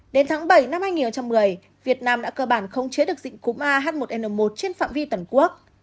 đến tháng bảy năm hai nghìn một mươi việt nam đã cơ bản khống chế được dịch cúm ah một n một trên phạm vi toàn quốc